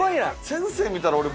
先生見たら俺。